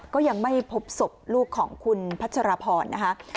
ก็ยังไม่พบศพลูกของคุณพัชรพรนะคะ